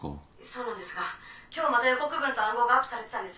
そうなんですが今日また予告文と暗号がアップされてたんです。